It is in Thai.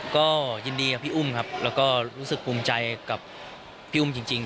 ก็ยินดีกับพี่อุ้มครับแล้วก็รู้สึกภูมิใจกับพี่อุ้มจริง